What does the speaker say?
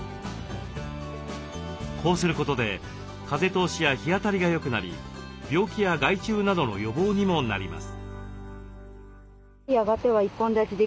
こうすることで風通しや日当たりが良くなり病気や害虫などの予防にもなります。